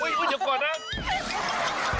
พรุ่งนี้๕สิงหาคมจะเป็นของใคร